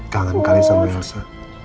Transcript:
kangen kali sama elsa